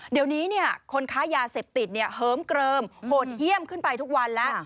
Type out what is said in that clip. เดี๋ยวนี้คนค้ายาเสพติดเหิมเกลิมโหดเยี่ยมขึ้นไปทุกวันแล้ว